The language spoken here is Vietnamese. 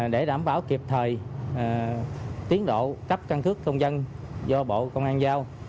để đảm bảo kịp thời tiến độ cấp căn cước công dân do bộ công an giao